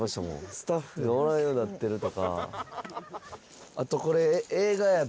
スタッフがおらんようになってるとか。